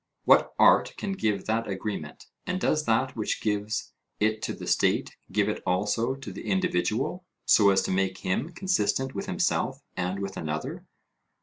what art can give that agreement? And does that which gives it to the state give it also to the individual, so as to make him consistent with himself and with another?